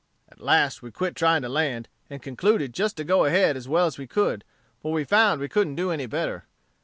At last we quit trying to land, and concluded just to go ahead as well as we could, for we found we couldn't do any better.